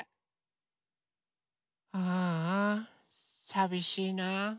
ああさびしいな。